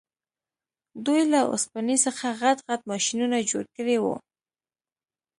دوی له اوسپنې څخه غټ غټ ماشینونه جوړ کړي وو